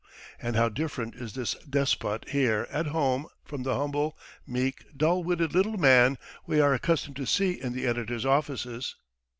And how different is this despot here at home from the humble, meek, dull witted little man we are accustomed to see in the editor's offices!